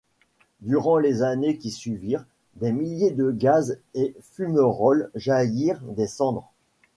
Durant les années qui suivirent, des milliers de gaz et fumerolles jaillirent des cendres.